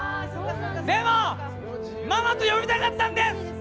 でも、ママと呼びたかったんです。